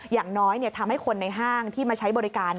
อย่างน้อยทำให้คนในห้างที่มาใช้บริการ